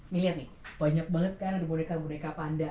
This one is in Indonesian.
nih lihat nih banyak banget kan ada boneka boneka panda